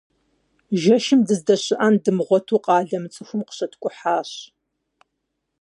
Жэщым дыздэщыӏэн дымыгъуэту къалэ мыцӏыхум къыщуткӏухьащ.